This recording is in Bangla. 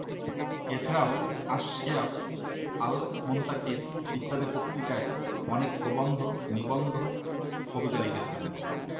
এছাড়াও আশ-শিহাব, আল-মুনতাকিদ ইত্যাদি পত্রিকায় অনেক প্রবন্ধ, নিবন্ধ, কবিতা লিখেছেন।